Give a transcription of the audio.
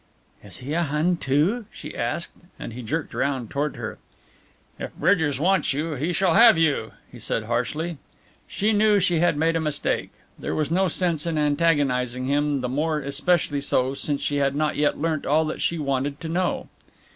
"Is he a Hun, too?" she asked, and he jerked round toward her. "If Bridgers wants you he shall have you," he said harshly. She knew she had made a mistake. There was no sense in antagonizing him, the more especially so since she had not yet learnt all that she wanted to know.